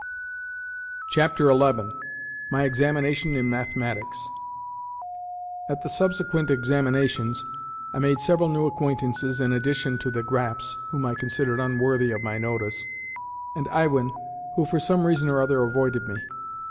XI. MY EXAMINATION IN MATHEMATICS AT the subsequent examinations, I made several new acquaintances in addition to the Graps (whom I considered unworthy of my notice) and Iwin (who for some reason or other avoided me).